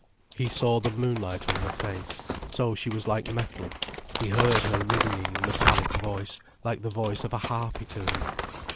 He saw the moonlight on her face, so she was like metal, he heard her ringing, metallic voice, like the voice of a harpy to him.